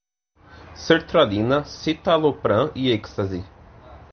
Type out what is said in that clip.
sertralina, citalopram, ecstazy